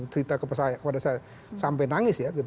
cerita kepada saya sampai nangis ya